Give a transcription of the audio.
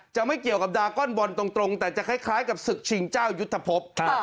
จะไม่เกี่ยวกับดาก้อนบอลตรงแต่จะคล้ายกับศึกชิงเจ้ายุทธภพ